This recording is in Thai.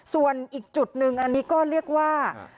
ส่วนอีกจุดหนึ่งอันนี้ก็เรียกว่า